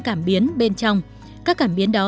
cảm biến bên trong các cảm biến đó